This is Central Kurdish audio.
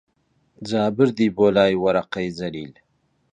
جا بردی بۆلای وەرەقەی جەلیل